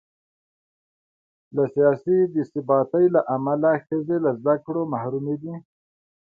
له سیاسي بې ثباتۍ امله ښځې له زده کړو محرومې دي.